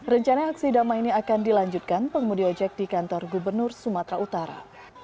rencana aksi damai ini akan dilanjutkan pengemudi ojek di kantor gubernur sumatera utara